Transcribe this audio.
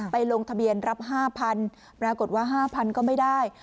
ไปลงทะเบียนรับ๕๐๐๐บาทแปลกดว่า๕๐๐๐ก็ไม่ได้